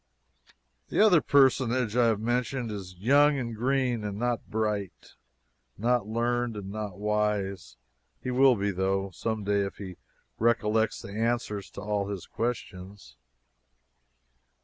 The other personage I have mentioned is young and green, and not bright, not learned, and not wise. He will be, though, someday if he recollects the answers to all his questions.